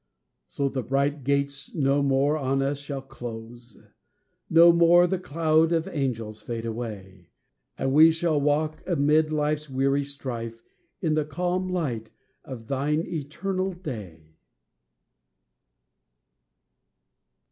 So the bright gates no more on us shall close; No more the cloud of angels fade away; And we shall walk, amid life's weary strife, In the calm light of thine eternal day.